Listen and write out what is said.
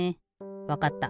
わかった。